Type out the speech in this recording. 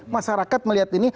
masyarakat melihat ini